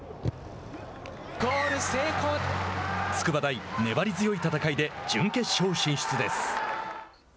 筑波大、粘り強い戦いで準決勝進出です。